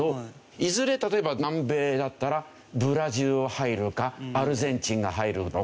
いずれ例えば南米だったらブラジル入るかアルゼンチンが入るのか。